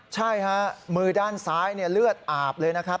ใช่ฮะมือด้านซ้ายเลือดอาบเลยนะครับ